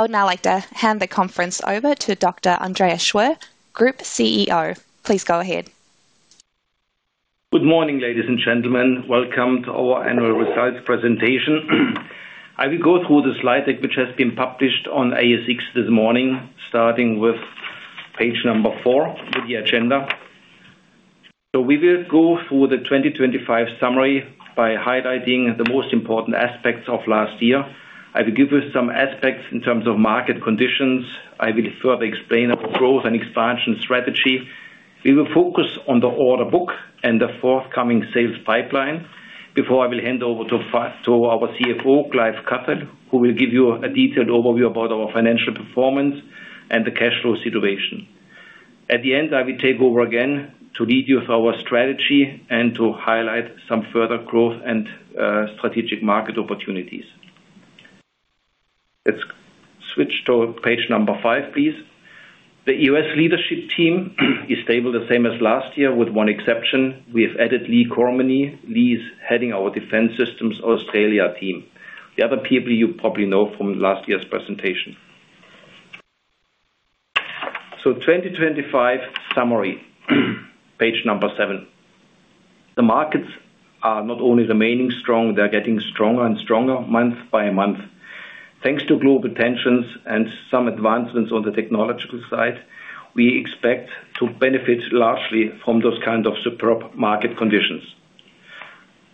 I would now like to hand the conference over to Dr. Andreas Schwer, Group CEO. Please go ahead. Good morning, ladies and gentlemen. Welcome to our annual results presentation. I will go through the slide deck, which has been published on ASX this morning, starting with page number four, with the agenda. We will go through the 2025 summary by highlighting the most important aspects of last year. I will give you some aspects in terms of market conditions. I will further explain our growth and expansion strategy. We will focus on the order book and the forthcoming sales pipeline before I will hand over to our CFO, Clive Cuthell, who will give you a detailed overview about our financial performance and the cash flow situation. At the end, I will take over again to lead you with our strategy and to highlight some further growth and strategic market opportunities. Let's switch to page number five, please. The US leadership team is stable, the same as last year, with one exception. We have added Lee Kormany. Lee is heading our Defence Systems Australia team. The other people you probably know from last year's presentation. 2025 summary, page number 7. The markets are not only remaining strong, they're getting stronger and stronger month by month. Thanks to global tensions and some advancements on the technological side, we expect to benefit largely from those kind of superb market conditions.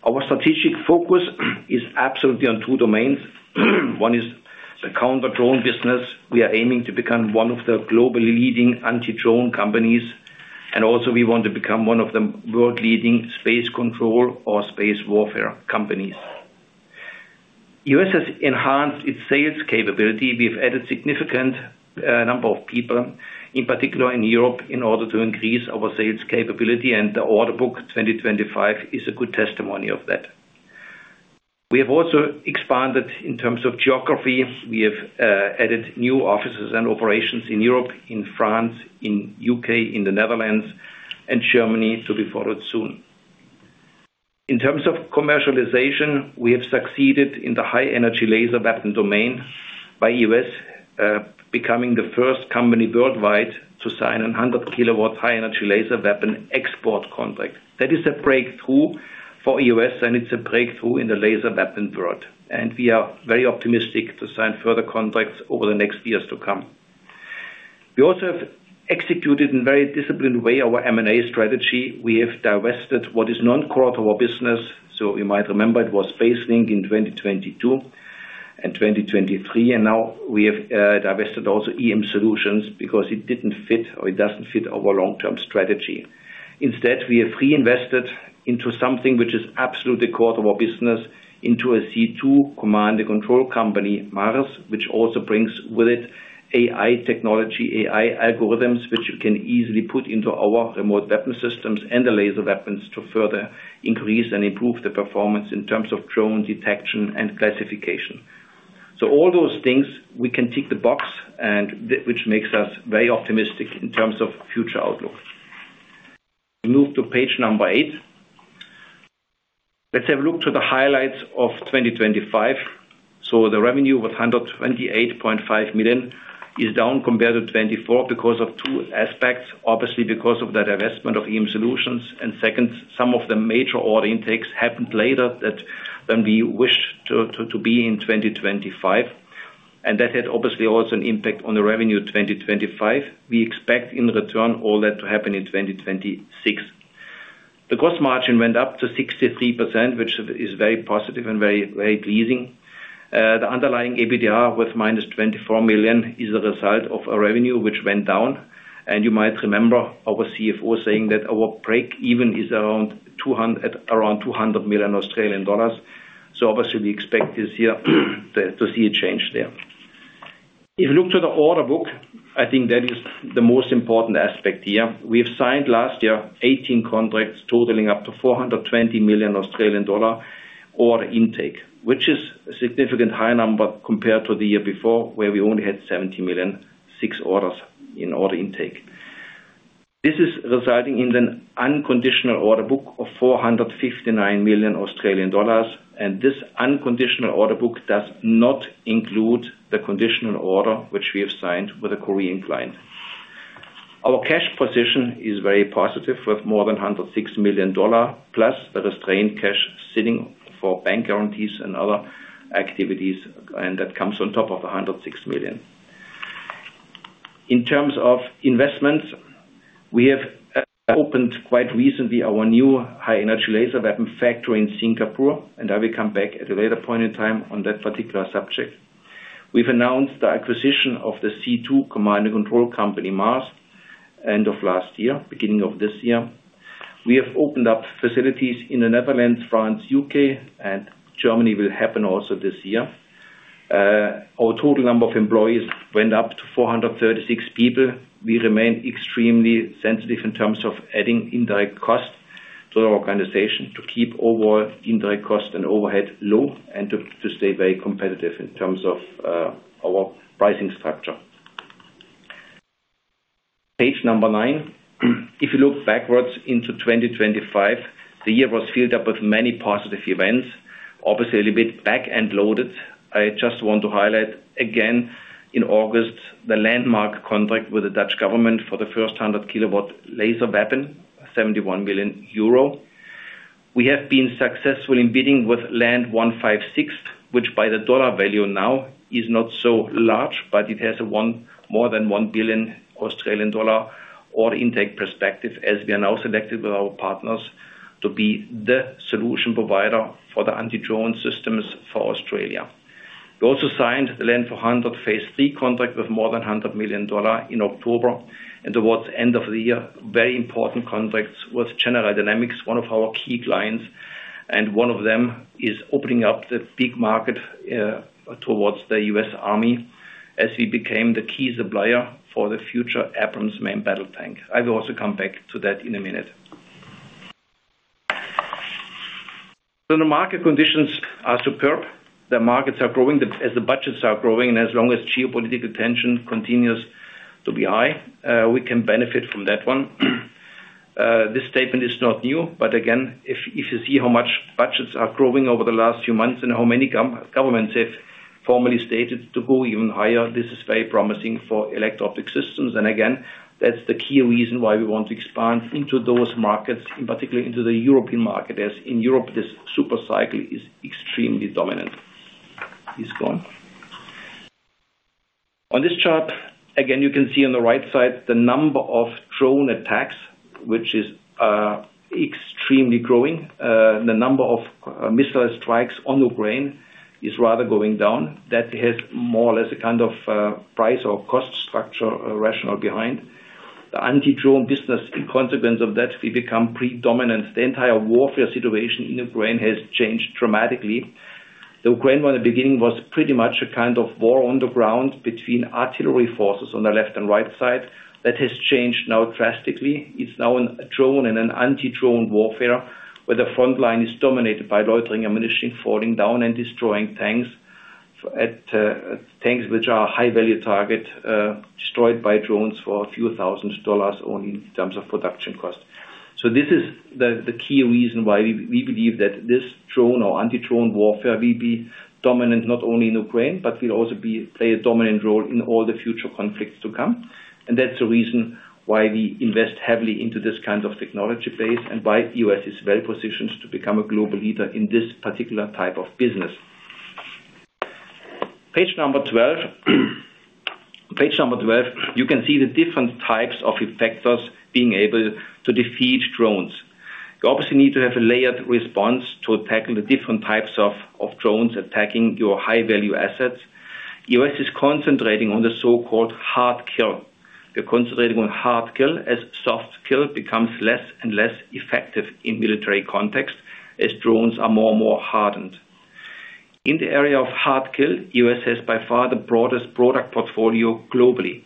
Our strategic focus is absolutely on two domains. One is the counter-drone business. We are aiming to become one of the globally leading anti-drone companies, and also we want to become one of the world-leading space control or space warfare companies. EOS has enhanced its sales capability. We've added significant number of people, in particular in Europe, in order to increase our sales capability. The order book 2025 is a good testimony of that. We have also expanded in terms of geography. We have added new offices and operations in Europe, in France, in UK, in the Netherlands, and Germany, to be followed soon. In terms of commercialization, we have succeeded in the High Energy Laser Weapon domain by EOS, becoming the first company worldwide to sign a 100 kW High Energy Laser Weapon export contract. That is a breakthrough for EOS. It's a breakthrough in the laser weapon world. We are very optimistic to sign further contracts over the next years to come. We also have executed in a very disciplined way our M&A strategy. We have divested what is non-core to our business, so you might remember it was SpaceLink in 2022 and 2023, and now we have divested also EM Solutions because it didn't fit, or it doesn't fit our long-term strategy. Instead, we have reinvested into something which is absolutely core to our business, into a C2 command and control company, MARSS, which also brings with it AI technology, AI algorithms, which we can easily put into our remote weapon systems and the laser weapons to further increase and improve the performance in terms of drone detection and classification. All those things, we can tick the box, and which makes us very optimistic in terms of future outlook. We move to page number 8. Let's have a look to the highlights of 2025. The revenue was 128.5 million, is down compared to 2024 because of two aspects. Obviously, because of the divestment of EM Solutions, and second, some of the major order intakes happened later than we wished to be in 2025, and that had obviously also an impact on the revenue 2025. We expect, in return, all that to happen in 2026. The gross margin went up to 63%, which is very positive and very, very pleasing. The underlying EBITDA was -24 million, is a result of our revenue, which went down, and you might remember our CFO saying that our break even is at around 200 million Australian dollars. Obviously we expect this year, to see a change there. If you look to the order book, I think that is the most important aspect here. We have signed last year, 18 contracts, totaling up to 420 million Australian dollar order intake, which is a significant high number compared to the year before, where we only had 70 million, 6 orders in order intake. This is resulting in an unconditional order book of 459 million Australian dollars, and this unconditional order book does not include the conditional order which we have signed with a Korean client. Our cash position is very positive, with more than 106 million dollar, plus the restrained cash sitting for bank guarantees and other activities, and that comes on top of the 106 million. In terms of investments, we have opened quite recently our new High Energy Laser Weapon factory in Singapore, I will come back at a later point in time on that particular subject. We've announced the acquisition of the C2 command and control company, MARSS, end of last year, beginning of this year. We have opened up facilities in the Netherlands, France, U.K., Germany will happen also this year. Our total number of employees went up to 436 people. We remain extremely sensitive in terms of adding indirect costs to the organization, to keep overall indirect costs and overhead low, and to stay very competitive in terms of our pricing structure. Page number 9. If you look backwards into 2025, the year was filled up with many positive events, obviously a little bit back-end loaded. I just want to highlight again, in August, the landmark contract with the Dutch government for the first 100kW laser weapon, 71 million euro. We have been successful in bidding with LAND 156, which by the dollar value now is not so large, but it has a more than 1 billion Australian dollar order intake perspective, as we are now selected with our partners to be the solution provider for the anti-drone systems for Australia. We also signed the LAND 400 Phase 3 contract with more than 100 million dollars in October, and towards end of the year, very important contracts with General Dynamics, one of our key clients, and one of them is opening up the big market towards the US Army, as we became the key supplier for the future Abrams main battle tank. I will also come back to that in a minute. The market conditions are superb. The markets are growing, the, as the budgets are growing, and as long as geopolitical tension continues to be high, we can benefit from that one. This statement is not new, but again, if, if you see how much budgets are growing over the last few months, and how many governments have formally stated to go even higher, this is very promising for Electro Optic Systems. Again, that's the key reason why we want to expand into those markets, in particular into the European market, as in Europe, this super cycle is extremely dominant. Please go on. On this chart, again, you can see on the right side, the number of drone attacks, which is extremely growing. The number of missile strikes on Ukraine is rather going down. That has more or less a kind of price or cost structure rationale behind. The anti-drone business, in consequence of that, will become predominant. The entire warfare situation in Ukraine has changed dramatically. The Ukraine, well, in the beginning, was pretty much a kind of war on the ground between artillery forces on the left and right side. That has changed now drastically. It's now a drone and an anti-drone warfare, where the front line is dominated by loitering ammunition, falling down and destroying tanks. Tanks which are a high value target, destroyed by drones for a few thousand AUD only in terms of production cost. This is the, the key reason why we, we believe that this drone or anti-drone warfare will be dominant, not only in Ukraine, but will also be, play a dominant role in all the future conflicts to come. That's the reason why we invest heavily into this kind of technology base, and why EOS is well positioned to become a global leader in this particular type of business. Page number 12. Page number 12, you can see the different types of effectors being able to defeat drones. You obviously need to have a layered response to attacking the different types of, of drones attacking your high-value assets. EOS is concentrating on the so-called hard kill. We're concentrating on hard kill, as soft kill becomes less and less effective in military context, as drones are more and more hardened. In the area of hard kill, EOS has by far the broadest product portfolio globally.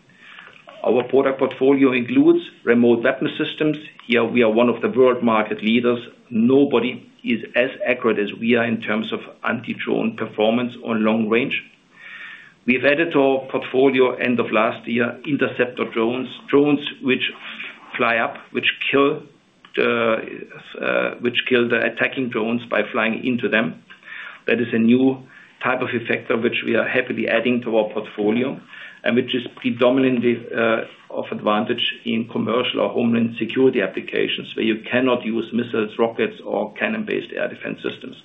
Our product portfolio includes Remote Weapon Systems. Here we are one of the world market leaders. Nobody is as accurate as we are in terms of anti-drone performance on long range. We've added to our portfolio, end of last year, interceptor drones. Drones which fly up, which kill, which kill the attacking drones by flying into them. That is a new type of effector, which we are happily adding to our portfolio, and which is predominantly of advantage in commercial or homeland security applications, where you cannot use missiles, rockets, or cannon-based air defense systems.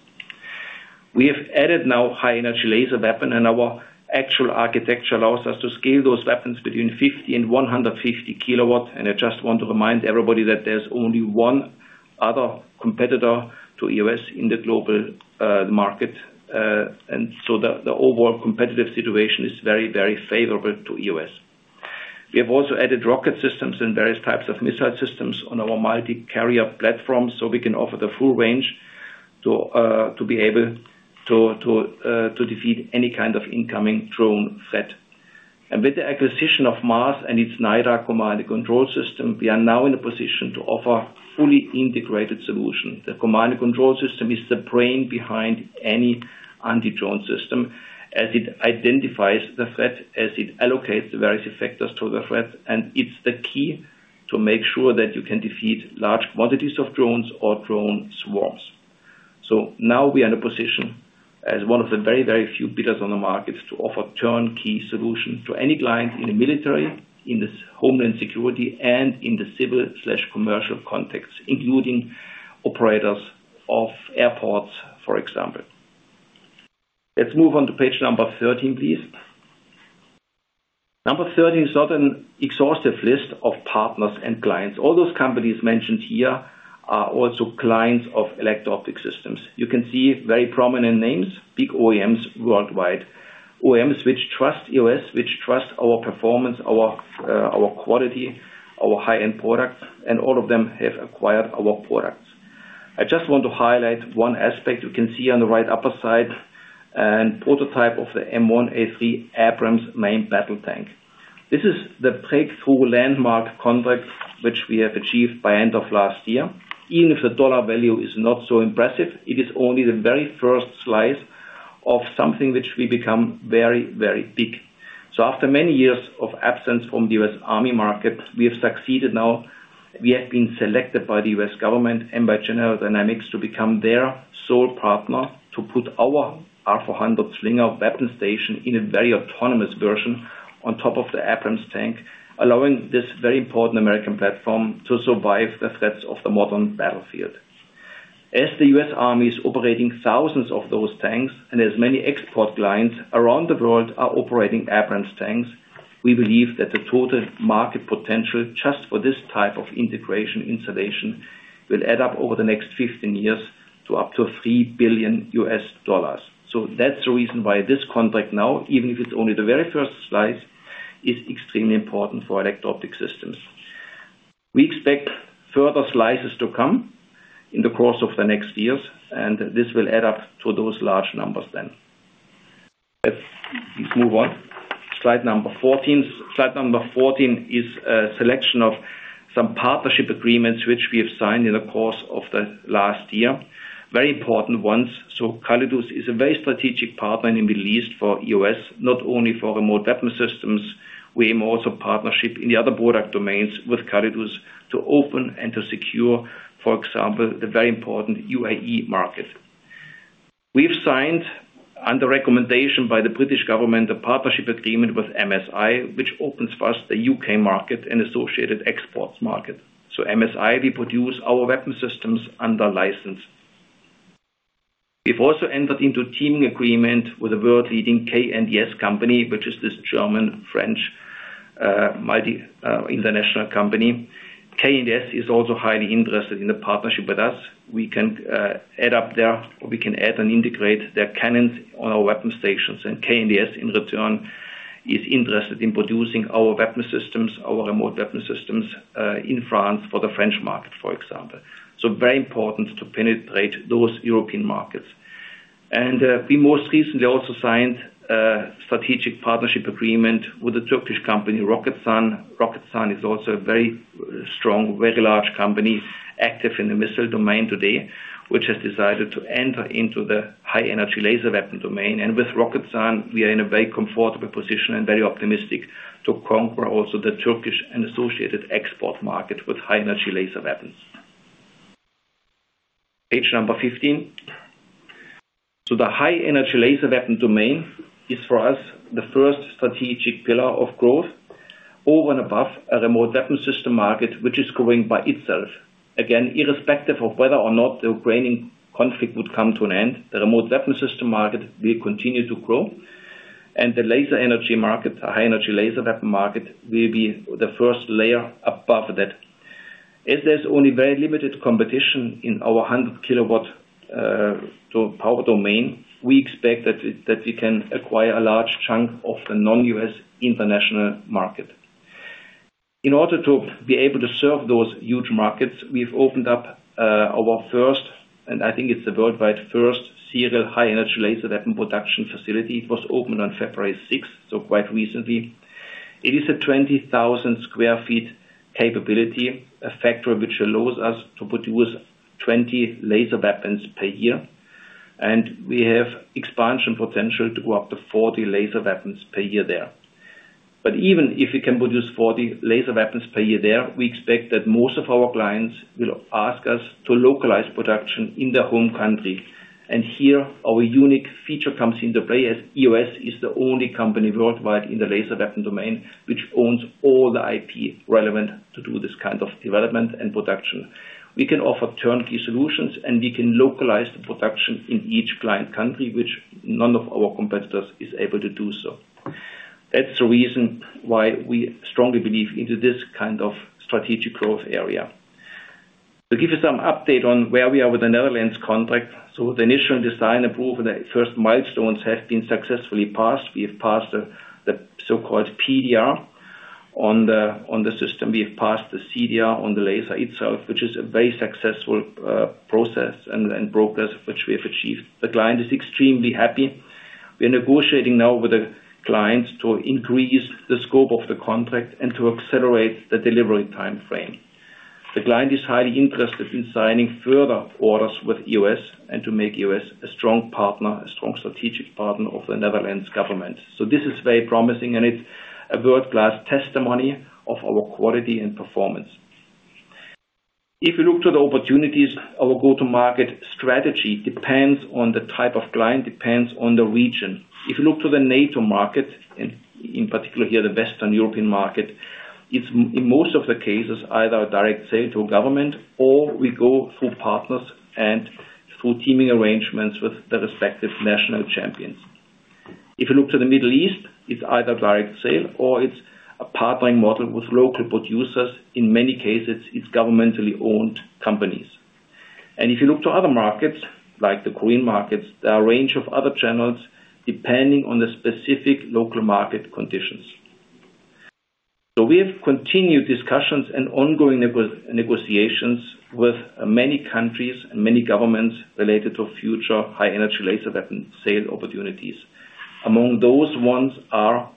We have added now High Energy Laser Weapon. Our actual architecture allows us to scale those weapons between 50 kW and 150 kW. I just want to remind everybody that there's only one other competitor to EOS in the global market. The overall competitive situation is very, very favorable to EOS. We have also added rocket systems and various types of missile systems on our multi-carrier platform, so we can offer the full range to be able to defeat any kind of incoming drone threat. With the acquisition of MARSS and its NiDAR command and control system, we are now in a position to offer fully integrated solution. The command and control system is the brain behind any counter-drone system, as it identifies the threat, as it allocates the various effectors to the threat, and it's the key to make sure that you can defeat large quantities of drones or drone swarms. Now we are in a position, as one of the very, very few bidders on the markets, to offer turnkey solution to any client in the military, in the homeland security, and in the civil slash commercial context, including operators of airports, for example. Let's move on to page number 13, please. Number 13 is not an exhaustive list of partners and clients. All those companies mentioned here are also clients of Electro Optic Systems. You can see very prominent names, big OEMs worldwide. OEMs which trust EOS, which trust our performance, our, our quality, our high-end products, and all of them have acquired our products. I just want to highlight one aspect. You can see on the right upper side, an prototype of the M1A3 Abrams main battle tank. This is the breakthrough landmark contract, which we have achieved by end of last year. Even if the dollar value is not so impressive, it is only the very first slice of something which will become very, very big. After many years of absence from the US Army market, we have succeeded now. We have been selected by the US government and by General Dynamics to become their sole partner, to put our R400 Slinger weapon station in a very autonomous version on top of the Abrams tank, allowing this very important American platform to survive the threats of the modern battlefield. As the US Army is operating thousands of those tanks, and as many export clients around the world are operating Abrams tanks, we believe that the total market potential just for this type of integration installation, will add up over the next 15 years to up to $3 billion. That's the reason why this contract now, even if it's only the very first slice, is extremely important for Electro Optic Systems. We expect further slices to come in the course of the next years, and this will add up to those large numbers then. Let's move on. Slide number 14. Slide number 14 is a selection of some partnership agreements which we have signed in the course of the last year. Very important ones. Calidus is a very strategic partner in the Middle East for EOS, not only for Remote Weapon Systems. We aim also partnership in the other product domains with Calidus to open and to secure, for example, the very important UAE market. We've signed, under recommendation by the British government, a partnership agreement with MSI, which opens for us the UK market and associated exports market. MSI, we produce our weapon systems under license. We've also entered into a teaming agreement with the world-leading KNDS company, which is this German, French, mighty, international company. KNDS is also highly interested in a partnership with us. We can add up there, or we can add and integrate their cannons on our weapon stations, and KNDS, in return, is interested in producing our weapon systems, our Remote Weapon Systems, in France for the French market, for example. Very important to penetrate those European markets. We most recently also signed a strategic partnership agreement with the Turkish company, Roketsan. Roketsan is also a very strong, very large company, active in the missile domain today, which has decided to enter into the High Energy Laser Weapon domain. With Roketsan, we are in a very comfortable position and very optimistic to conquer also the Turkish and associated export market with high energy laser weapons. Page number 15. The high energy laser weapon domain is, for us, the first strategic pillar of growth over and above a remote weapon system market, which is growing by itself. Again, irrespective of whether or not the Ukrainian conflict would come to an end, the remote weapon system market will continue to grow, and the laser energy market, the high energy laser weapon market, will be the first layer above that. As there's only very limited competition in our 100 kW to power domain, we expect that, that we can acquire a large chunk of the non-U.S. international market. In order to be able to serve those huge markets, we've opened up our first, and I think it's the worldwide first, serial High Energy Laser Weapon production facility. It was opened on February 6th, so quite recently. It is a 20,000 sq ft capability, a factory which allows us to produce 20 laser weapons per year, and we have expansion potential to go up to 40 laser weapons per year there. Even if we can produce 40 laser weapons per year there, we expect that most of our clients will ask us to localize production in their home country. Here, our unique feature comes into play, as EOS is the only company worldwide in the laser weapon domain, which owns all the IP relevant to do this kind of development and production. We can offer turnkey solutions, and we can localize the production in each client country, which none of our competitors is able to do so. That's the reason why we strongly believe into this kind of strategic growth area. To give you some update on where we are with the Netherlands contract. The initial design approval, the first milestones have been successfully passed. We have passed the so-called PDR on the system. We have passed the CDR on the laser itself, which is a very successful process and progress which we have achieved. The client is extremely happy. We're negotiating now with the clients to increase the scope of the contract and to accelerate the delivery time frame. The client is highly interested in signing further orders with EOS, and to make EOS a strong partner, a strong strategic partner of the Netherlands government. This is very promising, and it's a world-class testimony of our quality and performance. If you look to the opportunities, our go-to-market strategy depends on the type of client, depends on the region. If you look to the NATO market, and in particular here, the Western European market, it's in most of the cases, either a direct sale to a government or we go through partners and through teaming arrangements with the respective national champions. If you look to the Middle East, it's either direct sale or it's a partnering model with local producers. In many cases, it's governmentally owned companies. If you look to other markets, like the Korean markets, there are a range of other channels, depending on the specific local market conditions. We have continued discussions and ongoing negotiations with many countries and many governments related to future High Energy Laser Weapon sale opportunities. Among those ones are.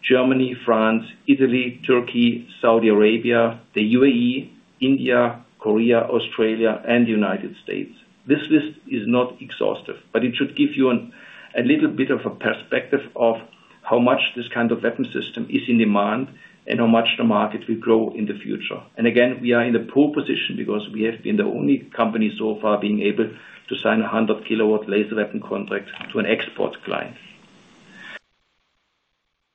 Germany, France, Italy, Turkey, Saudi Arabia, the UAE, India, Korea, Australia, and the United States. This list is not exhaustive, but it should give you a little bit of a perspective of how much this kind of weapon system is in demand and how much the market will grow in the future. Again, we are in a poor position because we have been the only company so far being able to sign a 100 kW laser weapon contract to an export client.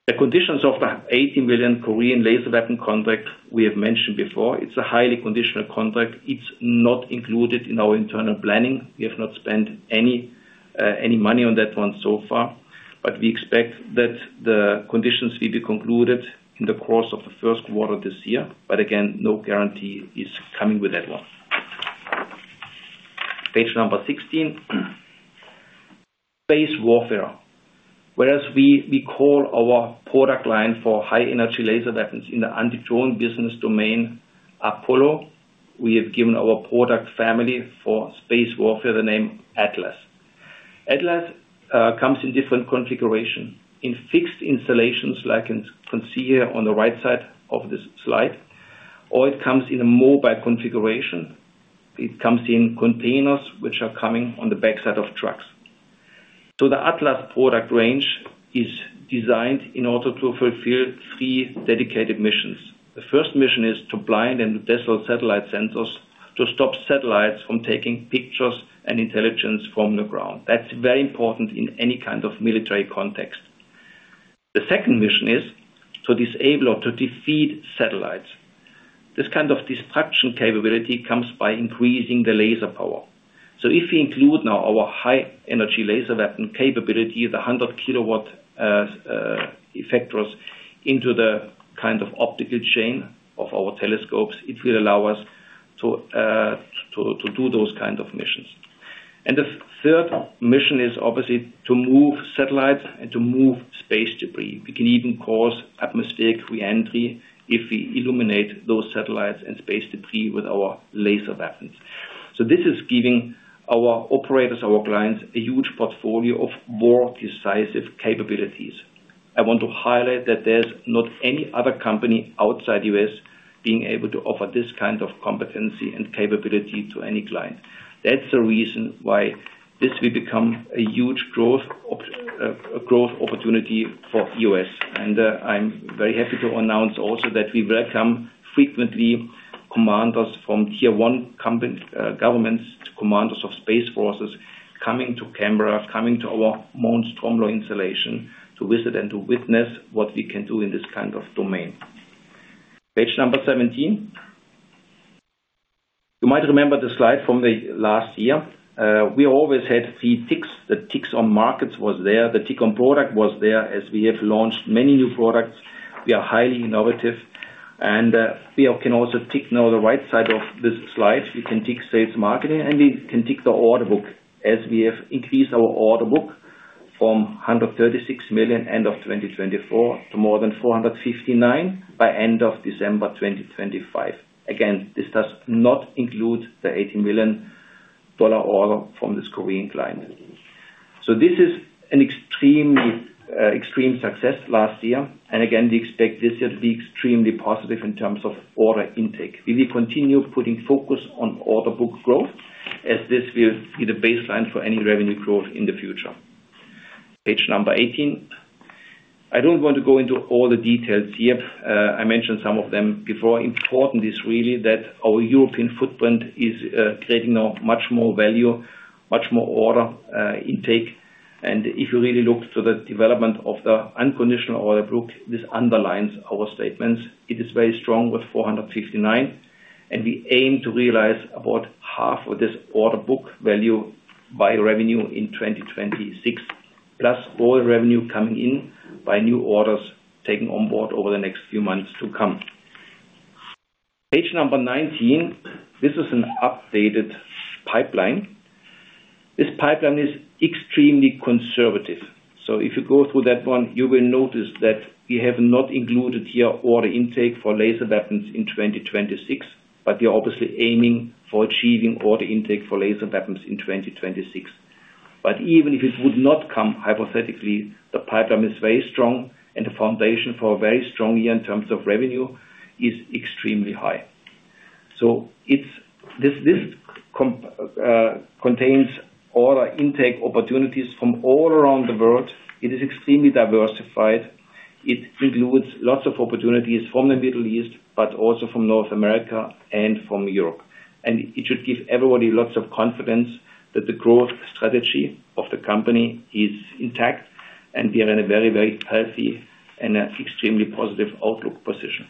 The conditions of the 80 million Korean laser weapon contract, we have mentioned before, it's a highly conditional contract. It's not included in our internal planning. We have not spent any money on that one so far, but we expect that the conditions will be concluded in the course of the first quarter of this year. Again, no guarantee is coming with that one. Page number 16. Space Warfare. Whereas we, we call our product line for High Energy Laser Weapons in the counter-drone business domain Apollo, we have given our product family for Space Warfare the name ATLAS. ATLAS comes in different configuration. In fixed installations, like you can, can see here on the right side of this slide, or it comes in a mobile configuration. It comes in containers, which are coming on the backside of trucks. The ATLAS product range is designed in order to fulfill 3 dedicated missions. The first mission is to blind and dazzle satellite sensors, to stop satellites from taking pictures and intelligence from the ground. That's very important in any kind of military context. The second mission is to disable or to defeat satellites. This kind of destruction capability comes by increasing the laser power. If we include now our High Energy Laser Weapon capability, the 100 kW effectors, into the kind of optical chain of our telescopes, it will allow us to do those kind of missions. The third mission is obviously to move satellites and to move space debris. We can even cause atmospheric re-entry if we illuminate those satellites and space debris with our laser weapons. This is giving our operators, our clients, a huge portfolio of more decisive capabilities. I want to highlight that there's not any other company outside U.S. being able to offer this kind of competency and capability to any client. That's the reason why this will become a huge growth op- a growth opportunity for EOS. I'm very happy to announce also that we welcome frequently commanders from Tier 1 company, governments, to commanders of space forces coming to Canberra, coming to our Mount Stromlo installation, to visit and to witness what we can do in this kind of domain. Page number 17. You might remember the slide from the last year. We always had 3 ticks. The ticks on markets was there, the tick on product was there, as we have launched many new products. We are highly innovative, and we can also tick now the right side of this slide. We can tick sales marketing, and we can tick the order book, as we have increased our order book from 136 million, end of 2024, to more than 459 by end of December 2025. Again, this does not include the $80 million order from this Korean client. This is an extremely extreme success last year, and again, we expect this year to be extremely positive in terms of order intake. We will continue putting focus on order book growth, as this will be the baseline for any revenue growth in the future. Page number 18. I don't want to go into all the details here. I mentioned some of them before. Important is really that our European footprint is creating now much more value, much more order intake. If you really look to the development of the unconditional order book, this underlines our statements. It is very strong with 459, and we aim to realize about half of this order book value by revenue in 2026, plus all revenue coming in by new orders taken on board over the next few months to come. Page 19. This is an updated pipeline. This pipeline is extremely conservative. If you go through that one, you will notice that we have not included here order intake for laser weapons in 2026, but we are obviously aiming for achieving order intake for laser weapons in 2026. Even if it would not come, hypothetically, the pipeline is very strong, and the foundation for a very strong year in terms of revenue is extremely high. This, this comp contains order intake opportunities from all around the world. It is extremely diversified. It includes lots of opportunities from the Middle East, but also from North America and from Europe. It should give everybody lots of confidence that the growth strategy of the company is intact, and we are in a very, very healthy and extremely positive outlook position.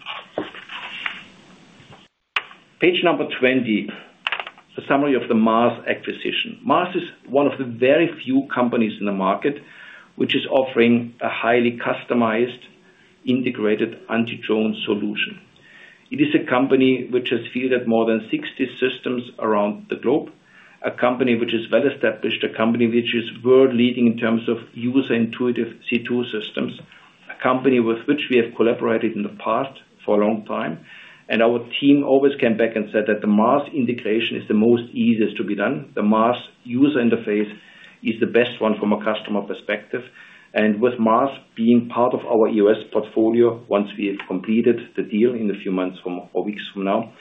Page number 20. The summary of the MARSS acquisition. MARSS is one of the very few companies in the market which is offering a highly customized, integrated, anti-drone solution. It is a company which has fielded more than 60 systems around the globe, a company which is well-established, a company which is world-leading in terms of user-intuitive C2 systems. A company with which we have collaborated in the past for a long time, our team always came back and said that the MARSS integration is the most easiest to be done. The MARSS user interface is the best one from a customer perspective, with MARSS being part of our EOS portfolio, once we have completed the deal in a few months from, or weeks from now.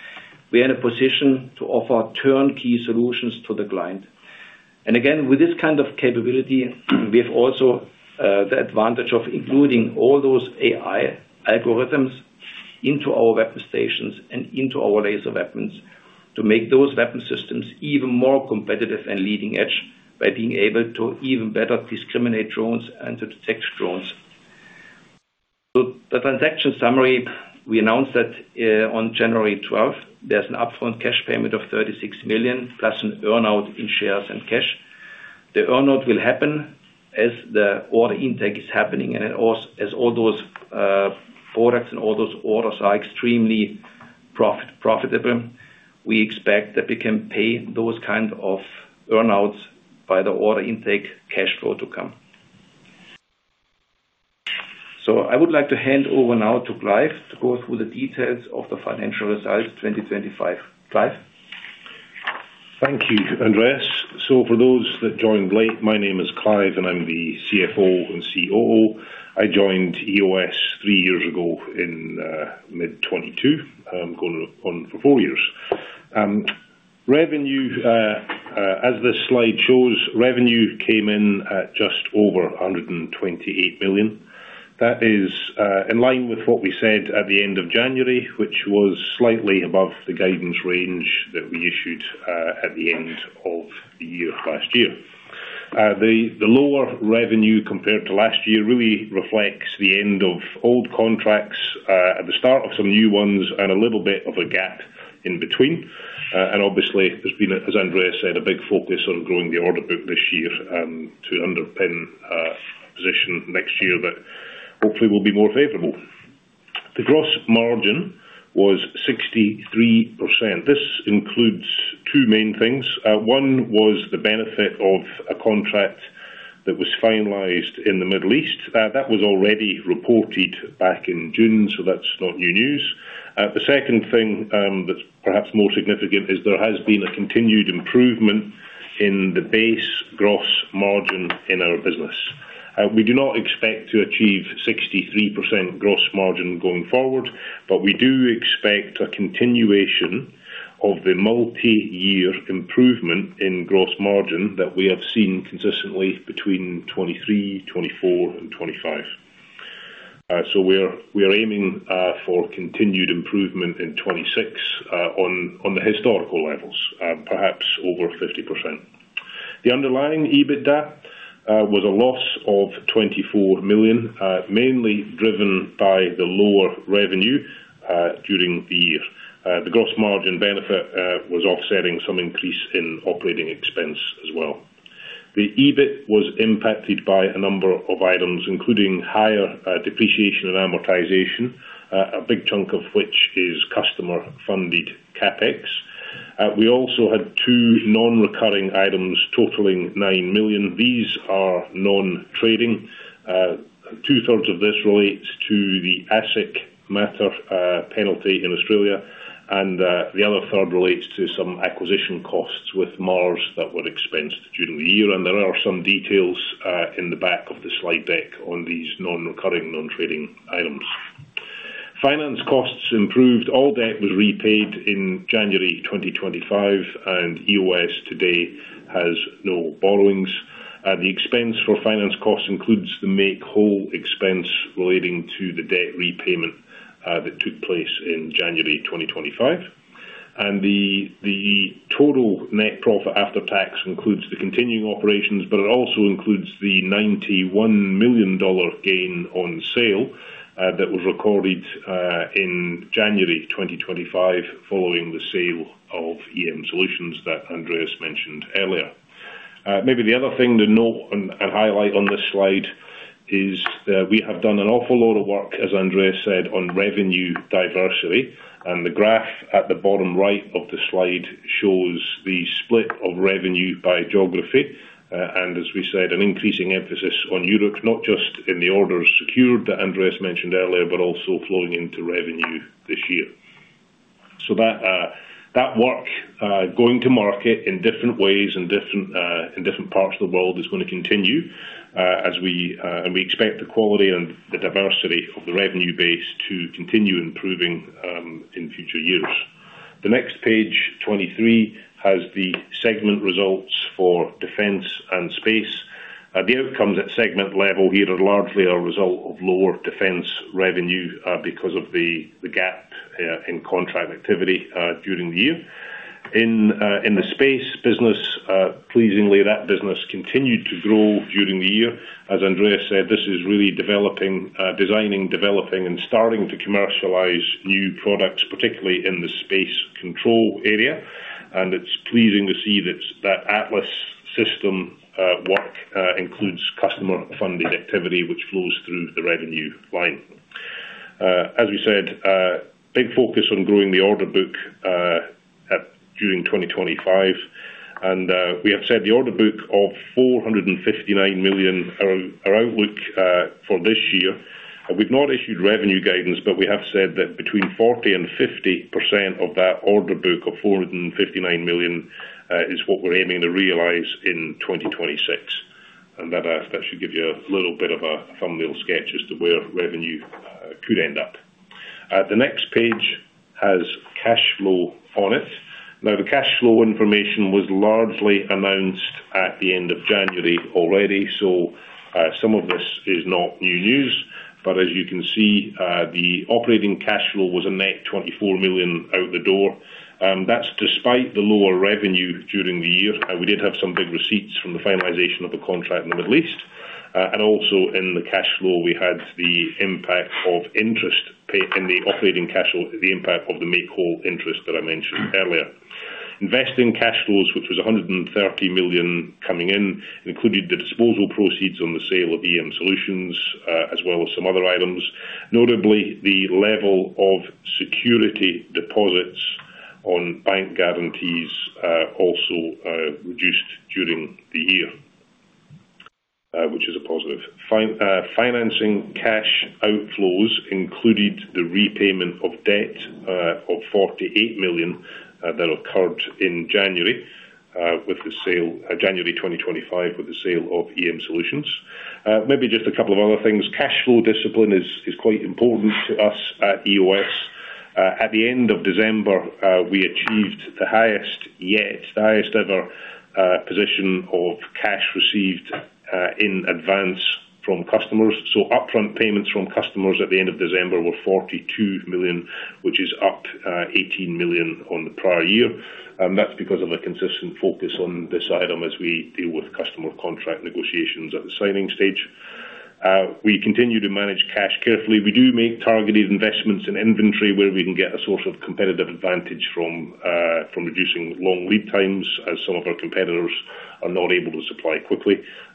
We are in a position to offer turnkey solutions to the client. Again, with this kind of capability, we have also the advantage of including all those AI algorithms into our weapon stations and into our laser weapons, to make those weapon systems even more competitive and leading edge, by being able to even better discriminate drones and to detect drones. The transaction summary, we announced that, on January 12th, there's an upfront cash payment of 36 million, plus an earn-out in shares and cash. The earn-out will happen as the order intake is happening, and as all those products and all those orders are extremely profitable. We expect that we can pay those kind of earn-outs by the order intake cash flow to come. I would like to hand over now to Clive, to go through the details of the financial results 2025. Clive? Thank you, Andreas. For those that joined late, my name is Clive, and I'm the CFO and COO. I joined EOS three years ago in mid 2022, going on for four years. As this slide shows, revenue came in at just over 128 million. That is in line with what we said at the end of January, which was slightly above the guidance range that we issued at the end of the year, last year. The lower revenue compared to last year really reflects the end of old contracts, at the start of some new ones, and a little bit of a gap in between. Obviously, there's been a, as Andreas said, a big focus on growing the order book this year, to underpin position next year, but hopefully will be more favorable. The gross margin was 63%. This includes two main things. One was the benefit of a contract that was finalized in the Middle East. That was already reported back in June, so that's not new news. The second thing, that's perhaps more significant, is there has been a continued improvement in the base gross margin in our business. We do not expect to achieve 63% gross margin going forward, but we do expect a continuation of the multi-year improvement in gross margin that we have seen consistently between 2023, 2024, and 2025. We're, we are aiming for continued improvement in 2026 on, on the historical levels, perhaps over 50%. The underlying EBITDA was a loss of 24 million, mainly driven by the lower revenue during the year. The gross margin benefit was offsetting some increase in operating expense as well. The EBIT was impacted by a number of items, including higher depreciation and amortization, a big chunk of which is customer-funded CapEx. We also had two non-recurring items totaling 9 million. These are non-trading. 2/3 of this relates to the ASIC matter, penalty in Australia, and the 1/3 relates to some acquisition costs with MARSS that were expensed during the year. There are some details in the back of the slide deck on these non-recurring, non-trading items. Finance costs improved. All debt was repaid in January 2025, and EOS today has no borrowings. The expense for finance costs includes the make-whole expense relating to the debt repayment, that took place in January 2025. The total net profit after tax includes the continuing operations, but it also includes the $91 million gain on sale, that was recorded, in January 2025, following the sale of EM Solutions that Andreas mentioned earlier. Maybe the other thing to note and highlight on this slide is that we have done an awful lot of work, as Andreas said, on revenue diversity, and the graph at the bottom right of the slide shows the split of revenue by geography. As we said, an increasing emphasis on Europe, not just in the orders secured, that Andreas mentioned earlier, but also flowing into revenue this year. That work, going to market in different ways, in different, in different parts of the world is going to continue as we expect the quality and the diversity of the revenue base to continue improving in future years. The next page, 23, has the segment results for defense and space. The outcomes at segment level here are largely a result of lower defense revenue because of the, the gap in contract activity during the year. In the space business, pleasingly, that business continued to grow during the year. As Andreas said, this is really developing, designing, developing, and starting to commercialize new products, particularly in the space control area. It's pleasing to see that, that Atlas system work includes customer-funded activity, which flows through the revenue line. As we said, a big focus on growing the order book at during 2025. We have said the order book of 459 million, our, our outlook for this year, and we've not issued revenue guidance, but we have said that between 40% and 50% of that order book of 459 million is what we're aiming to realize in 2026. That should give you a little bit of a thumbnail sketch as to where revenue could end up. The next page has cash flow on it. The cash flow information was largely announced at the end of January already, some of this is not new news. As you can see, the operating cash flow was a net 24 million out the door, and that's despite the lower revenue during the year. We did have some big receipts from the finalization of a contract in the Middle East. Also in the cash flow, we had the impact of interest pay, in the operating cash flow, the impact of the make-whole call interest that I mentioned earlier. Investing cash flows, which was 130 million coming in, including the disposal proceeds on the sale of EM Solutions, as well as some other items. Notably, the level of security deposits on bank guarantees, also, reduced during the year, which is a positive. Financing cash outflows included the repayment of debt of 48 million that occurred in January, January 2025, with the sale of EM Solutions. Maybe just a couple of other things. Cash flow discipline is quite important to us at EOS. At the end of December, we achieved the highest yet, the highest ever, position of cash received in advance from customers. Upfront payments from customers at the end of December were 42 million, which is up 18 million on the prior year. That's because of a consistent focus on this item as we deal with customer contract negotiations at the signing stage. We continue to manage cash carefully. We do make targeted investments in inventory where we can get a source of competitive advantage from, from reducing long lead times, as some of our competitors are not able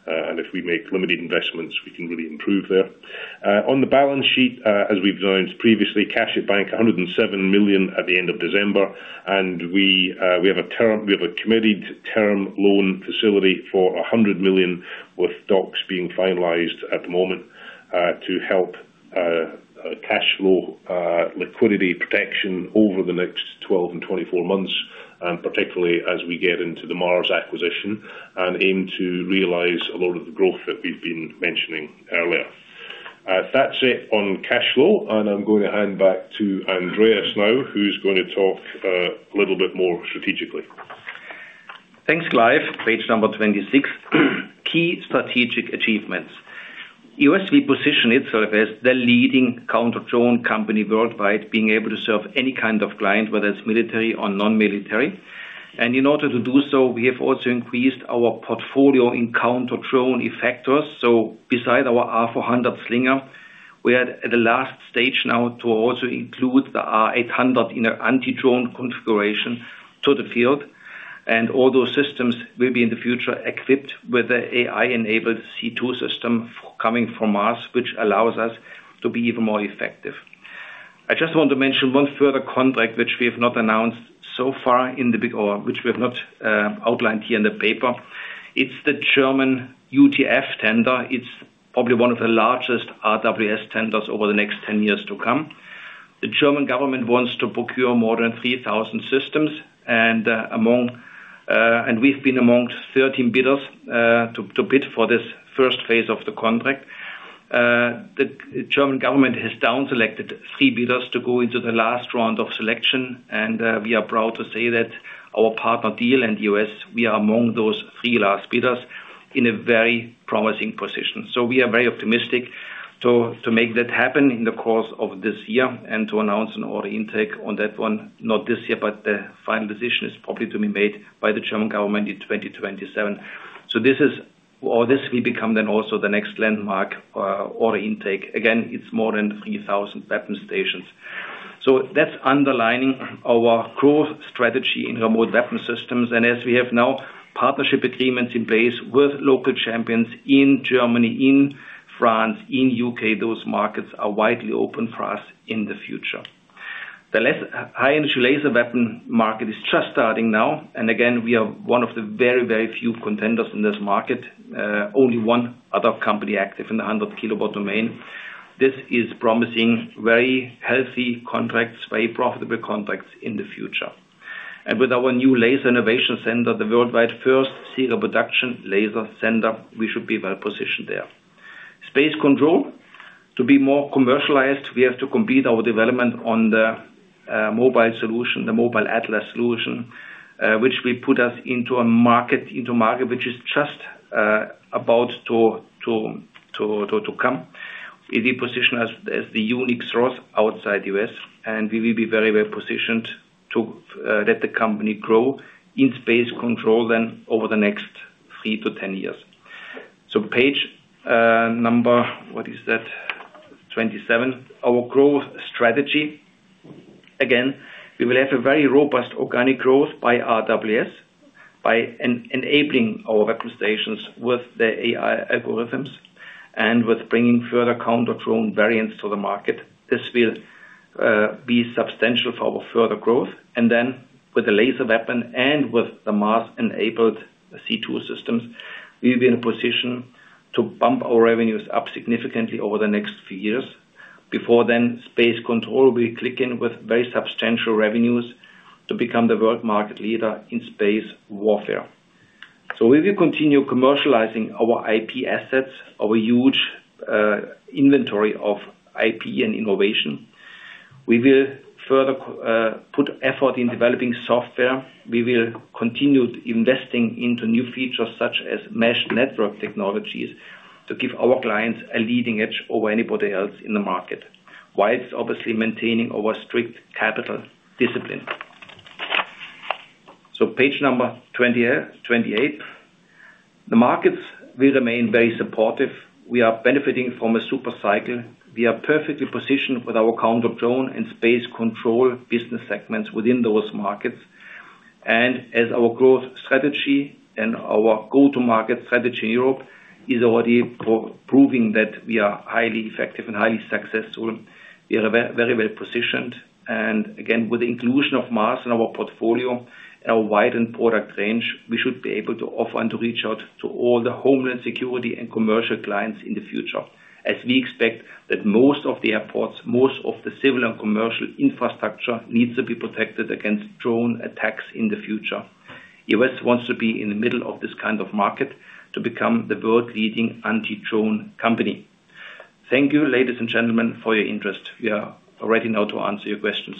to supply quickly. If we make limited investments, we can really improve there. On the balance sheet, as we've announced previously, cash at bank, 107 million at the end of December, and we, we have a committed term loan facility for 100 million, with docs being finalized at the moment, to help cash flow, liquidity protection over the next 12 and 24 months, and particularly as we get into the MARSS acquisition and aim to realize a lot of the growth that we've been mentioning earlier. That's it on cash flow, and I'm going to hand back to Andreas now, who's going to talk a little bit more strategically. Thanks, Clive. Page number 26. Key strategic achievements. EOS, we position itself as the leading counter-drone company worldwide, being able to serve any kind of client, whether it's military or non-military. In order to do so, we have also increased our portfolio in counter-drone effectors. Beside our R400 Slinger, we are at the last stage now to also include the R800 in a anti-drone configuration to the field. All those systems will be, in the future, equipped with an AI-enabled C2 system coming from us, which allows us to be even more effective. I just want to mention one further contract, which we have not announced so far in the big, or which we have not outlined here in the paper. It's the German UTF tender. It's probably one of the largest RWS tenders over the next 10 years to come. The German government wants to procure more than 3,000 systems, and among... We've been among 13 bidders to, to bid for this first phase of the contract. The German government has down selected 3 bidders to go into the last round of selection, and we are proud to say that our partner, Diehl and EOS, we are among those 3 last bidders in a very promising position. We are very optimistic to, to make that happen in the course of this year and to announce an order intake on that one, not this year, but the final decision is probably to be made by the German government in 2027. This is, or this will become then also the next landmark order intake. Again, it's more than 3,000 weapon stations. That's underlining our growth strategy in Remote Weapon Systems. As we have now, partnership agreements in place with local champions in Germany, in France, in U.K., those markets are widely open for us in the future. The High Energy Laser Weapon market is just starting now, and again, we are one of the very, very few contenders in this market. Only one other company active in the 100 kW domain. This is promising very healthy contracts, very profitable contracts in the future. With our new laser innovation center, the worldwide first series of production laser center, we should be well positioned there. Space control, to be more commercialized, we have to complete our development on the mobile solution, the mobile Atlas solution, which will put us into a market, into market, which is just about to come. We be positioned as, as the unique source outside U.S., and we will be very well positioned to let the company grow in space control then over the next three to 10 years. Page number, what is that? 27. Our growth strategy. Again, we will have a very robust organic growth by RWS, by enabling our weapon stations with the AI algorithms and with bringing further counter-drone variants to the market. This will be substantial for our further growth, and then with the laser weapon and with the MARSS-enabled C2 systems, we'll be in a position to bump our revenues up significantly over the next few years. Before then, space control will click in with very substantial revenues to become the world market leader in space warfare. We will continue commercializing our IP assets, our huge inventory of IP and innovation. We will further put effort in developing software. We will continue investing into new features such as mesh network technologies, to give our clients a leading edge over anybody else in the market, whilst obviously maintaining our strict capital discipline. Page number 28. The markets will remain very supportive. We are benefiting from a super cycle. We are perfectly positioned with our counter-drone and space control business segments within those markets. As our growth strategy and our go-to-market strategy in Europe is already proving that we are highly effective and highly successful, we are very well positioned. Again, with the inclusion of MARSS in our portfolio and our widened product range, we should be able to offer and to reach out to all the homeland security and commercial clients in the future. As we expect that most of the airports, most of the civil and commercial infrastructure, needs to be protected against drone attacks in the future. EOS wants to be in the middle of this kind of market to become the world-leading anti-drone company. Thank you, ladies and gentlemen, for your interest. We are ready now to answer your questions.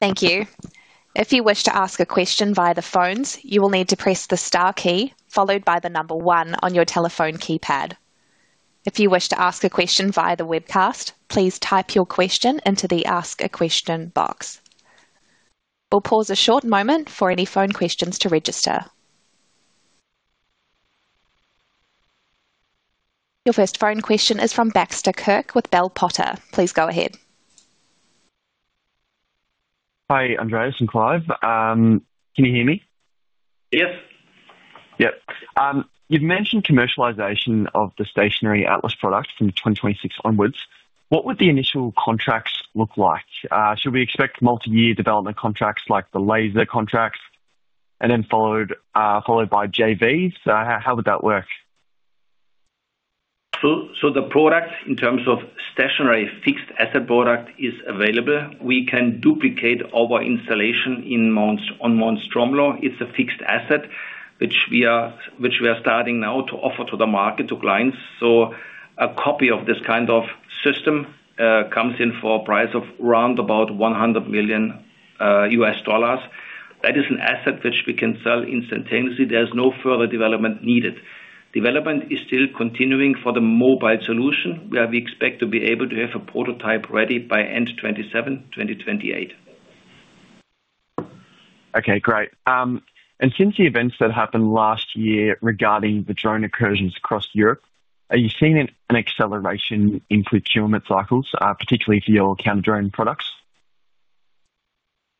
Thank you. If you wish to ask a question via the phones, you will need to press the star key followed by the one on your telephone keypad. If you wish to ask a question via the webcast, please type your question into the Ask a Question box. We'll pause a short moment for any phone questions to register. Your first phone question is from Baxter Kirk with Bell Potter. Please go ahead. Hi, Andreas and Clive. Can you hear me? Yes. Yep. You've mentioned commercialization of the stationary ATLAS product from 2026 onwards. What would the initial contracts look like? Should we expect multi-year development contracts like the laser contracts and then followed, followed by JVs? How would that work? The product, in terms of stationary fixed asset product, is available. We can duplicate our installation on Mount Stromlo. It's a fixed asset which we are starting now to offer to the market, to clients. A copy of this kind of system comes in for a price of around about $100 million. That is an asset which we can sell instantaneously. There is no further development needed. Development is still continuing for the mobile solution, where we expect to be able to have a prototype ready by end 2027, 2028. Okay, great. Since the events that happened last year regarding the drone incursions across Europe, are you seeing an, an acceleration in procurement cycles, particularly for your counter-drone products?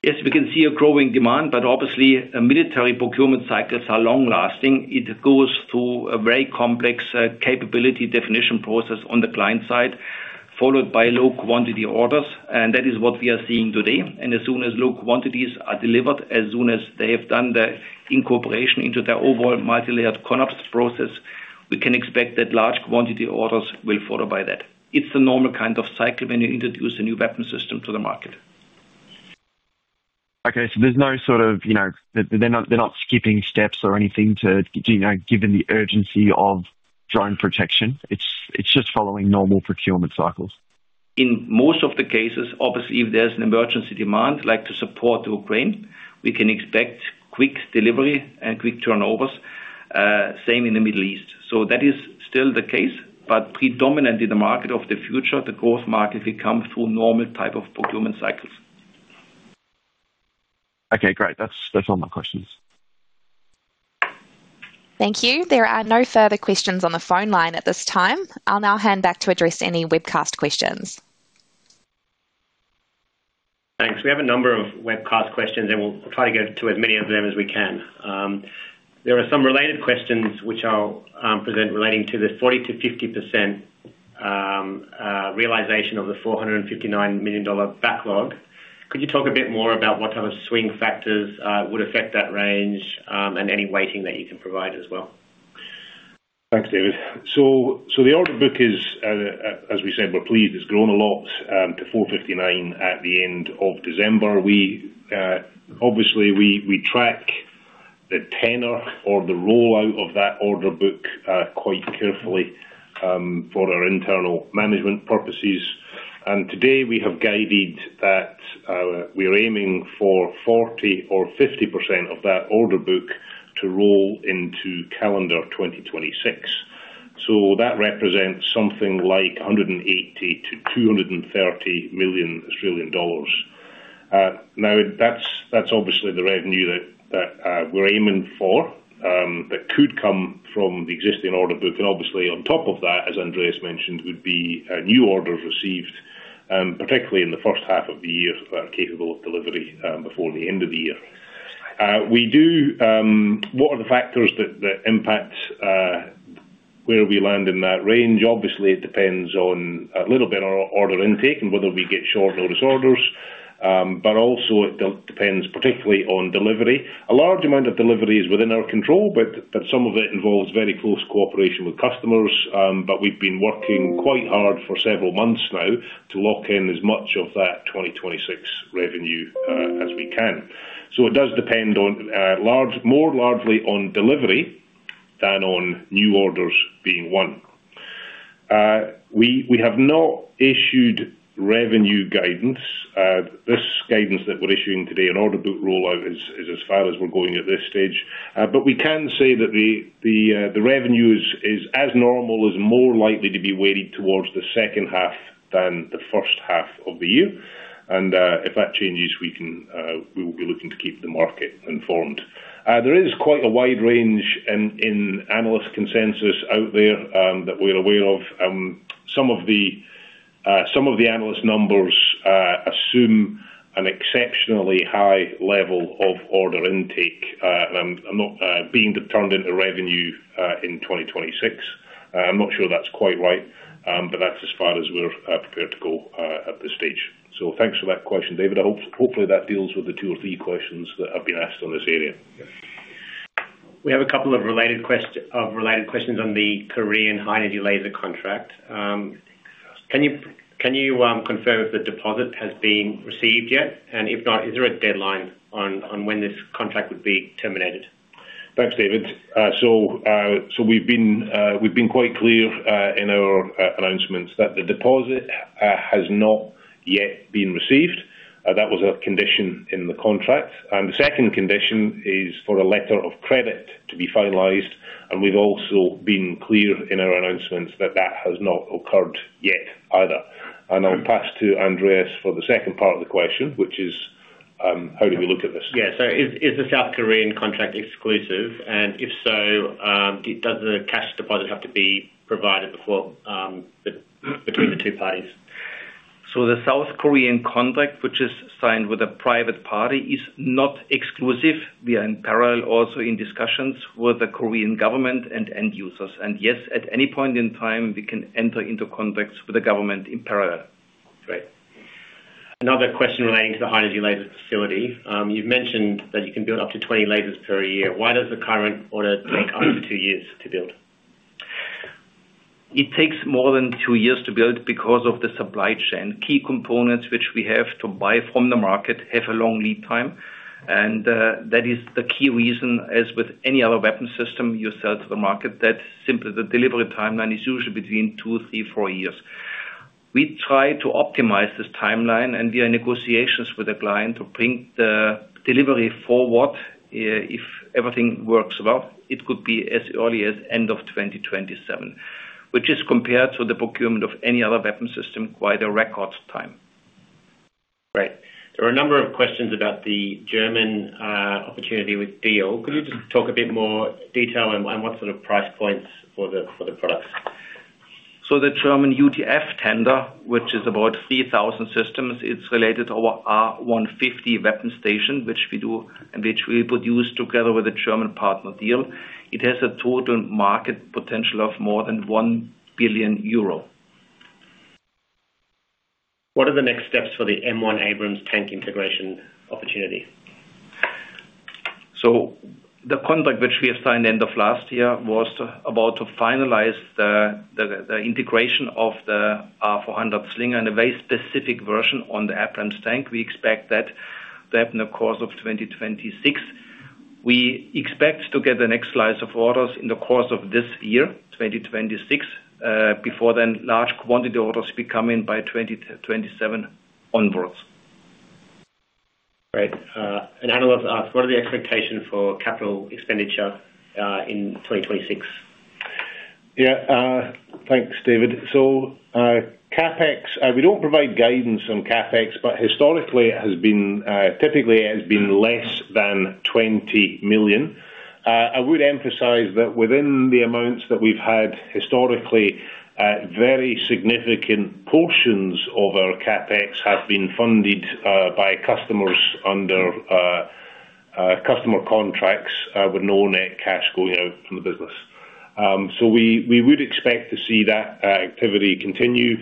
Yes, we can see a growing demand, but obviously, military procurement cycles are long lasting. It goes through a very complex capability definition process on the client side, followed by low quantity orders, and that is what we are seeing today. As soon as low quantities are delivered, as soon as they have done the incorporation into their overall multilayered CONOPS process, we can expect that large quantity orders will follow by that. It's the normal kind of cycle when you introduce a new weapon system to the market. Okay, there's no sort of, you know, they're not, they're not skipping steps or anything to, you know, given the urgency of drone protection? It's, it's just following normal procurement cycles. In most of the cases, obviously, if there's an emergency demand, like to support Ukraine, we can expect quick delivery and quick turnovers. Same in the Middle East. That is still the case, but predominantly the market of the future, the growth market, will come through normal type of procurement cycles. Okay, great. That's, that's all my questions. Thank you. There are no further questions on the phone line at this time. I'll now hand back to address any webcast questions. Thanks. We have a number of webcast questions, and we'll try to get to as many of them as we can. There are some related questions which I'll present relating to the 40%-50% realization of the 459 million dollar backlog. Could you talk a bit more about what kind of swing factors would affect that range, and any weighting that you can provide as well? Thanks, David. The order book is, as we said, we're pleased, it's grown a lot, to 459 million at the end of December. We obviously we track the tenor or the rollout of that order book quite carefully for our internal management purposes. Today, we have guided that we are aiming for 40% or 50% of that order book to roll into calendar 2026. That represents something like 180 million-230 million Australian dollars. Now, that's, that's obviously the revenue that, that we're aiming for that could come from the existing order book. Obviously, on top of that, as Andreas mentioned, would be new orders received, particularly in the first half of the year, that are capable of delivery before the end of the year. We do... What are the factors that impact where we land in that range? Obviously, it depends on a little bit our order intake and whether we get short notice orders. But also it depends particularly on delivery. A large amount of delivery is within our control, but some of it involves very close cooperation with customers. But we've been working quite hard for several months now to lock in as much of that 2026 revenue as we can. It does depend on large-- more largely on delivery than on new orders being won. We have not issued revenue guidance. This guidance that we're issuing today, an order book rollout is as far as we're going at this stage. We can say that the revenue is as normal, is more likely to be weighted towards the second half than the first half of the year. If that changes, we can, we will be looking to keep the market informed. There is quite a wide range in analyst consensus out there that we're aware of. Some of the analyst numbers assume an exceptionally high level of order intake and I'm not being turned into revenue in 2026. I'm not sure that's quite right, that's as far as we're prepared to go at this stage. Thanks for that question, David. Hopefully that deals with the two or three questions that have been asked on this area. We have a couple of related of related questions on the Korean High Energy Laser contract. Can you confirm if the deposit has been received yet? If not, is there a deadline on when this contract would be terminated? Thanks, David. We've been quite clear in our announcements that the deposit has not yet been received. That was a condition in the contract. The second condition is for a letter of credit to be finalized, and we've also been clear in our announcements that that has not occurred yet either. I'll pass to Andreas for the second part of the question, which is, how do we look at this? Yeah. Is, is the South Korean contract exclusive? If so, does the cash deposit have to be provided before, between the two parties? The South Korean contract, which is signed with a private party, is not exclusive. We are in parallel also in discussions with the Korean government and end users. Yes, at any point in time, we can enter into contracts with the government in parallel. Great. Another question relating to the high energy laser facility. You've mentioned that you can build up to 20 lasers per year. Why does the current order take up to two years to build? It takes more than two years to build because of the supply chain. Key components, which we have to buy from the market, have a long lead time, and that is the key reason, as with any other weapon system you sell to the market, that's simply the delivery timeline is usually between two, three, four years. We try to optimize this timeline, and we are in negotiations with the client to bring the delivery forward. If everything works well, it could be as early as end of 2027, which is compared to the procurement of any other weapon system, quite a record time. Great. There are a number of questions about the German opportunity with Diehl. Could you just talk a bit more detail on, on what sort of price points for the, for the products? The German UTF tender, which is about 3,000 systems, it's related to our R150 weapon station, which we do, and which we produce together with the German partner, Diehl. It has a total market potential of more than 1 billion euro. What are the next steps for the M1 Abrams tank integration opportunity? The contract, which we assigned end of last year, was to about to finalize the integration of the 400 Slinger and a very specific version on the Abrams tank. We expect that in the course of 2026. We expect to get the next slice of orders in the course of this year, 2026, before then, large quantity orders will be coming by 2027 onwards. Great. An analyst asked, what are the expectations for capital expenditure in 2026? Yeah, thanks, David. CapEx, we don't provide guidance on CapEx, but historically, it has been, typically, it has been less than 20 million. I would emphasize that within the amounts that we've had historically, very significant portions of our CapEx have been funded, by customers under, customer contracts, with no net cash going out from the business. We, we would expect to see that activity continue.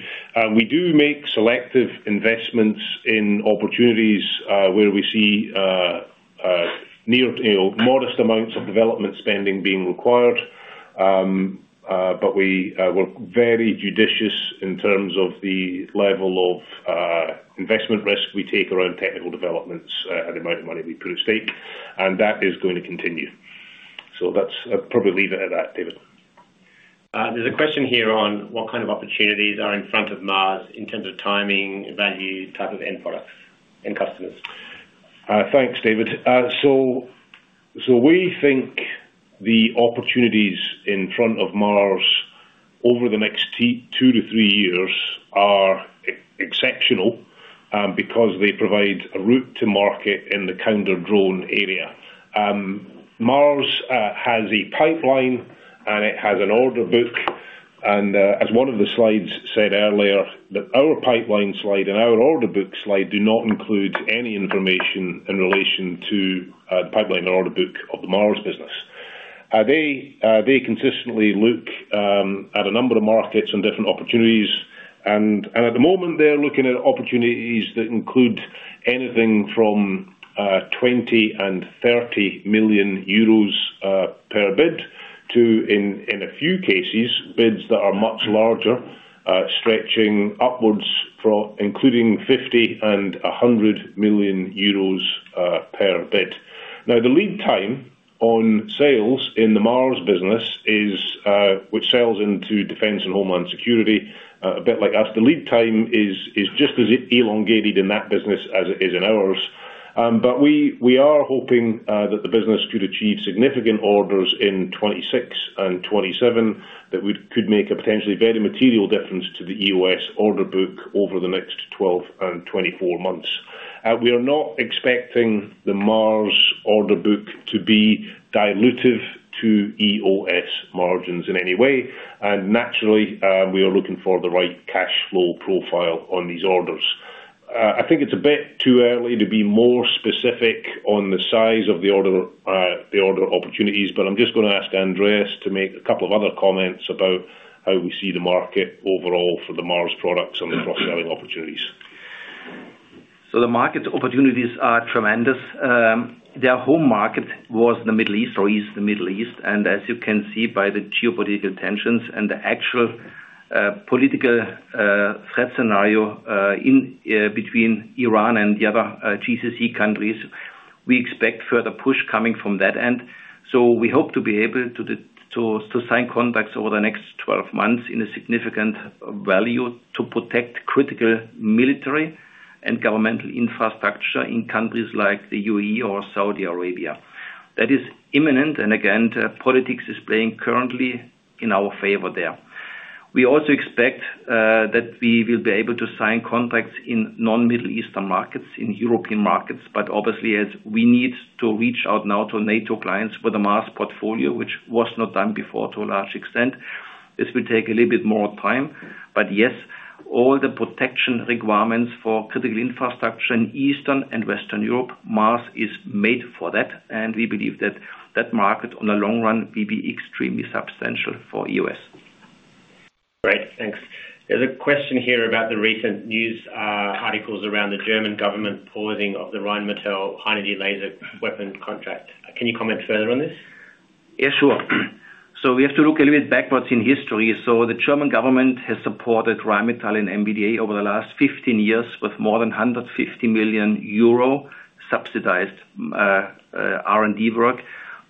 We do make selective investments in opportunities, where we see, near to modest amounts of development spending being required. But we, we're very judicious in terms of the level of, investment risk we take around technical developments, and the amount of money we put at stake, and that is going to continue. That's... I'll probably leave it at that, David. There's a question here on what kind of opportunities are in front of MARSS in terms of timing, value, type of end products and customers. Thanks, David. So, so we think the opportunities in front of MARSS over the next two to three years are exceptional because they provide a route to market in the counter-drone area. MARSS has a pipeline, and it has an order book, and as one of the slides said earlier, that our pipeline slide and our order book slide do not include any information in relation to pipeline and order book of the MARSS business. They consistently look at a number of markets and different opportunities. And at the moment, they're looking at opportunities that include anything from 20 million and 30 million euros per bid, to, in a few cases, bids that are much larger, stretching upwards from including 50 million and 100 million euros per bid. The lead time on sales in the MARSS business is, which sells into defense and homeland security, a bit like us. The lead time is, is just as elongated in that business as it is in ours. We, we are hoping that the business could achieve significant orders in 2026 and 2027, that could make a potentially very material difference to the EOS order book over the next 12 and 24 months. We are not expecting the MARSS order book to be dilutive to EOS margins in any way, and naturally, we are looking for the right cash flow profile on these orders. I think it's a bit too early to be more specific on the size of the order, the order opportunities, but I'm just gonna ask Andreas to make a couple of other comments about how we see the market overall for the MARSS products and the cross-selling opportunities. `So the market opportunities are tremendous. Um, their home market was the Middle East, or is the Middle East, and as you can see by the geopolitical tensions and the actual, uh, political, uh, threat scenario, uh, in, uh, between Iran and the other, uh, GCC countries, we expect further push coming from that end. So we hope to be able to the, to, to sign contracts over the next twelve months in a significant value to protect critical military and governmental infrastructure in countries like the UAE or Saudi Arabia. That is imminent, and again, politics is playing currently in our favor there.` We also expect that we will be able to sign contracts in non-Middle Eastern markets, in European markets, but obviously, as we need to reach out now to NATO clients with the MARSS portfolio, which was not done before to a large extent, this will take a little bit more time. Yes, all the protection requirements for critical infrastructure in Eastern and Western Europe, MARSS is made for that, and we believe that that market, on the long run, will be extremely substantial for EOS. Great, thanks. There's a question here about the recent news, articles around the German government pausing of the Rheinmetall High Energy Laser Weapon contract. Can you comment further on this? Yeah, sure. We have to look a little bit backwards in history. The German government has supported Rheinmetall and MBDA over the last 15 years with more than 150 million euro subsidized R&D work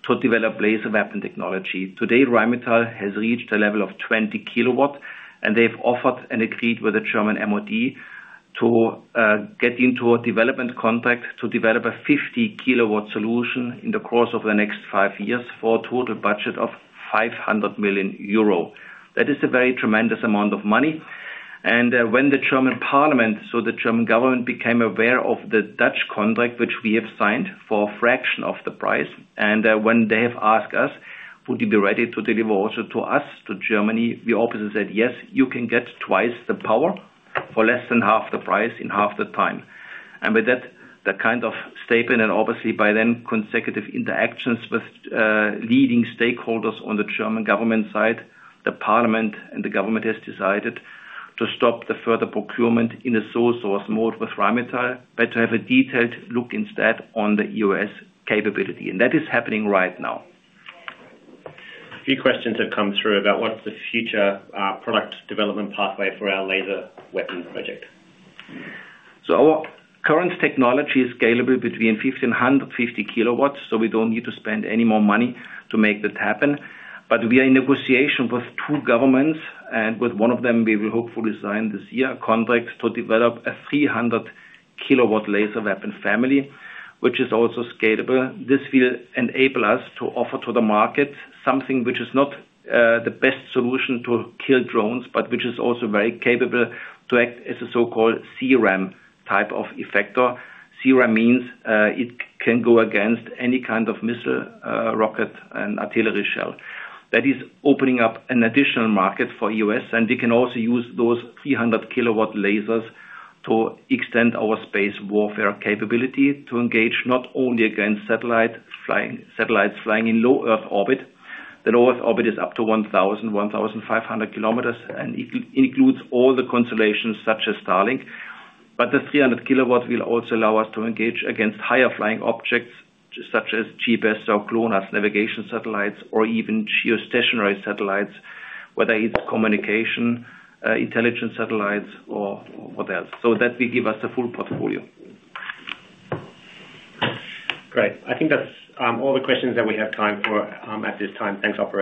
to develop laser weapon technology. Today, Rheinmetall has reached a level of 20 kilowatts, and they've offered and agreed with the German MOD to get into a development contract to develop a 50 kW solution in the course of the next 5 years for a total budget of 500 million euro. That is a very tremendous amount of money, when the German parliament, so the German government, became aware of the Dutch contract, which we have signed for a fraction of the price, when they have asked us: Would you be ready to deliver also to us, to Germany? We obviously said: Yes, you can get twice the power for less than half the price in half the time. With that, the kind of statement, and obviously by then, consecutive interactions with leading stakeholders on the German government side, the parliament and the government has decided to stop the further procurement in a sole source mode with Rheinmetall, but to have a detailed look instead on the EOS capability. That is happening right now. A few questions have come through about what's the future, product development pathway for our laser weapon project. Our current technology is scalable between 50 and 150 kW, so we don't need to spend any more money to make this happen. We are in negotiation with two governments, and with one of them, we will hopefully sign this year, a contract to develop a 300 kW laser weapon family, which is also scalable. This will enable us to offer to the market something which is not the best solution to kill drones, but which is also very capable to act as a so-called C-RAM type of effector. C-RAM means it can go against any kind of missile, rocket, and artillery shell. That is opening up an additional market for EOS, and we can also use those 300 kW lasers to extend our space warfare capability to engage not only against satellites flying in low Earth orbit. The low Earth orbit is up to 1,000-1,500 km, and it includes all the constellations, such as Starlink. The 300 kW will also allow us to engage against higher flying objects, such as GPS or GLONASS navigation satellites or even geostationary satellites, whether it's communication, intelligence satellites or what else. That will give us a full portfolio. Great. I think that's all the questions that we have time for at this time. Thanks, operator.